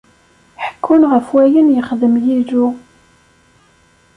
Ḥekkun ɣef wayen yexdem Yillu.